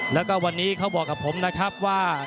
แล้วก็วันนี้เขาบอกกับผมนะครับว่า